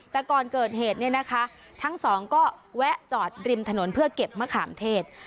แต่ก่อนเกิดเหตุเนี่ยนะคะทั้งสองก็แวะจอดริมถนนเพื่อเก็บมะขามเทศ